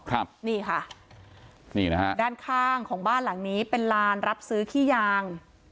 ครับนี่ค่ะนี่นะฮะด้านข้างของบ้านหลังนี้เป็นลานรับซื้อขี้ยาง